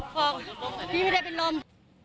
ขอพี่พี่ได้เป็นร่ม